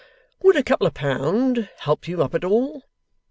'Would a couple of pound help you up at all?